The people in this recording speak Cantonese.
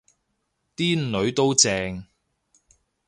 啲囡都正